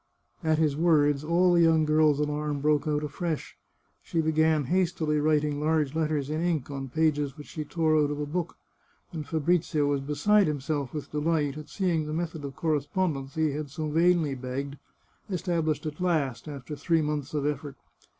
" At his words all the young girl's alarm broke out afresh ; she began hastily writing large letters in ink on pages which she tore out of a book, and Fabrizio was beside himself with delight at seeing the method of correspondence he had so vainly begged, established at last, after three months of effort.